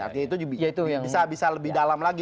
artinya itu bisa lebih dalam lagi